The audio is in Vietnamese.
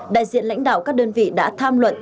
đại diện lãnh đạo các đơn vị đã tham luận